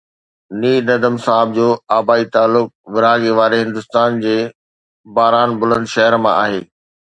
نيرندم صاحب جو آبائي تعلق ورهاڱي واري هندستان جي باران بلند شهر مان آهي